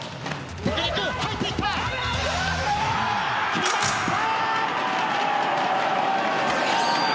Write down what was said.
決まった！